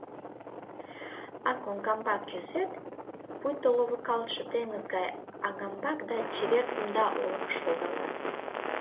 А коҥгамбак кӱзет — пуйто ловыкалтше теҥыз гай аҥамбак да чевер кумда олыкыш логалат.